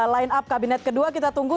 line up kabinet kedua kita tunggu